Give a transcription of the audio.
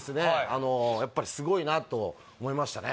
あのやっぱりすごいなと思いましたね